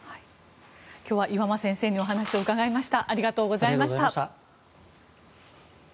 今日は岩間先生にお話を伺いました。